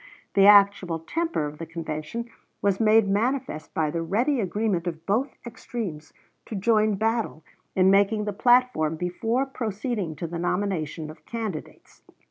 The actual temper of the convention was made manifest by the ready agreement of both extremes to join battle in making the platform before proceeding to the nomination of candidates.